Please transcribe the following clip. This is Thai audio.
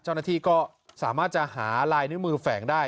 เจ้าหน้าที่ก็สามารถจะหาลายนิ้วมือแฝงได้